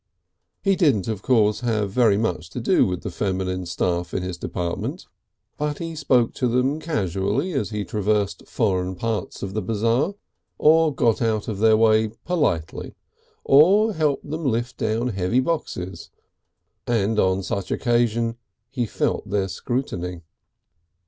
He didn't of course have very much to do with the feminine staff in his department, but he spoke to them casually as he traversed foreign parts of the Bazaar, or got out of their way politely, or helped them to lift down heavy boxes, and on such occasions he felt their scrutiny.